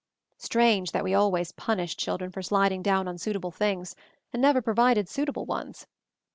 Strange that we always punished children for sliding down unsuitable things and never provided suitable ones.